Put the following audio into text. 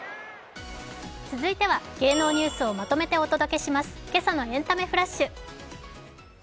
続いては芸能ニュースをまとめてお届けします、「けさのエンタメフラッシュ」。